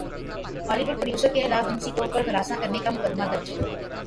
Holi would producer کےخلاف جنسی طور پر ہراساں کرنے کا مقدمہ درج